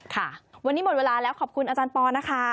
ค่ะวันนี้หมดเวลาแล้วขอบคุณอาจารย์ปอนะคะ